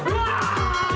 gue udah denger